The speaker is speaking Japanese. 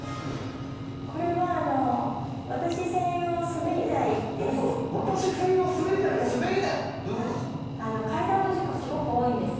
これは私専用すべり台です。